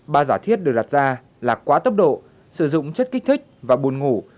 ba giả thiết được đặt ra là quá tốc độ sử dụng chất kích thích và bùn ngủ